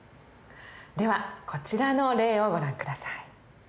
ではこちらの例をご覧下さい。